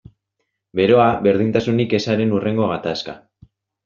Beroa, berdintasunik ezaren hurrengo gatazka.